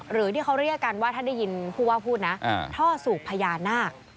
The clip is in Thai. หรือที่เขาเรียกกันว่าท่อสูบพญานาค